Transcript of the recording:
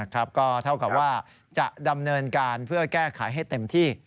ก็เท่ากับว่าจะดำเนินการเพื่อแก้ไขให้เต็มที่